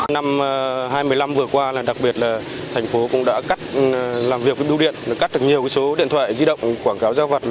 năm hai nghìn năm vừa qua đặc biệt là thành phố cũng đã cắt làm việc với bưu điện cắt được nhiều số điện thoại di động quảng cáo giao vặt